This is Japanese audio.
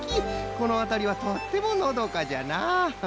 このあたりはとってものどかじゃな。